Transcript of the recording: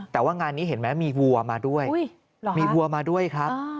แต่ว่างานนี้เห็นไหมมีวัวมาด้วยมีวัวมาด้วยครับ